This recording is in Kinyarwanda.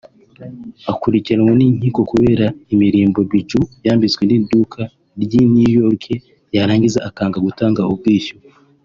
akurikiranwe n’inkiko kubera imirimbo(bijoux) yambitswe n’iduka ry’i New York yarangiza akanga gutanga ubwishyu